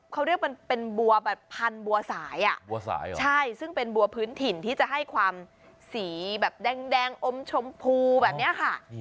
เขาเรียกว่าเป็นบัวแบบภัณฑ์บัวสายซึ่งเป็นบัวพื้นถิ่นที่จะให้ความสีแบบแดงอมชมพูแบบนี้ค่ะ